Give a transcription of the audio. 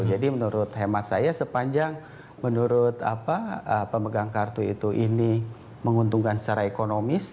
jadi menurut hemat saya sepanjang menurut apa pemegang kartu itu ini menguntungkan secara ekonomis